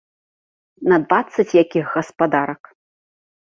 На дваццаць якіх гаспадарак!